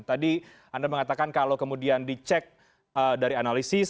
tadi anda mengatakan kalau kemudian dicek dari analisis